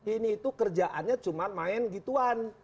ini itu kerjaannya cuma main gituan